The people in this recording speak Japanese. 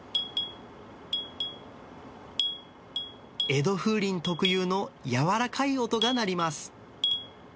江戸風鈴特有の柔らかい音が鳴ります。